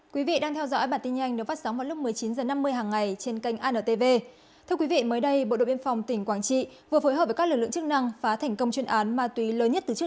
các bạn hãy đăng ký kênh để ủng hộ kênh của chúng mình nhé